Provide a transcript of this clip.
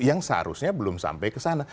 yang seharusnya belum sampai ke sana